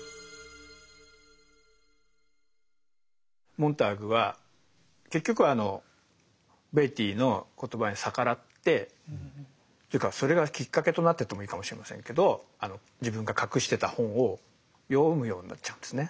モンターグは結局はあのベイティーの言葉に逆らってというかそれがきっかけとなってとも言えるかもしれませんけど自分が隠してた本を読むようになっちゃうんですね。